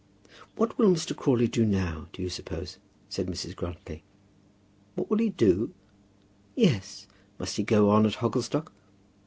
"What will Mr. Crawley do now, do you suppose?" said Mrs. Grantly. "What will he do?" "Yes; must he go on at Hogglestock?"